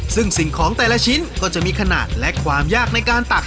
ซึ่งสิ่งของแต่ละชิ้นก็จะมีขนาดและความยากในการตัก